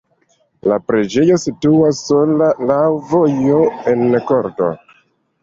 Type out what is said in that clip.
La preĝejo situas sola laŭ vojo en korto.